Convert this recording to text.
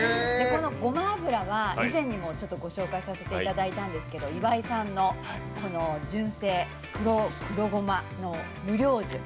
ごま油は以前にもご紹介させていただいたんですけど岩井さんの純正黒胡麻油無量寿。